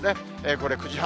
これ、９時半。